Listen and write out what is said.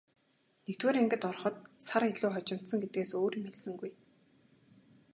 Нэгдүгээр ангид ороход сар илүү хожимдсон гэдгээс өөр юм хэлсэнгүй.